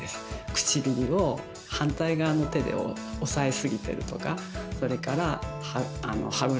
唇を反対側の手で押さえすぎてるとかそれから歯ブラシが痛いとかね。